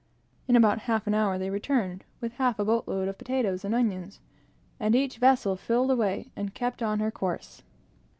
In about half an hour, they returned with half a boat load of potatoes and onions, and each vessel filled away, and kept on her course.